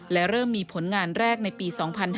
และเริ่มมีผลงานแรกในปี๒๕๕๙